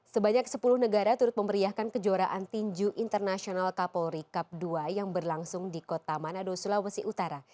sebanyak sepuluh negara turut memeriahkan kejuaraan tinju internasional kapolri cup dua yang berlangsung di kota manado sulawesi utara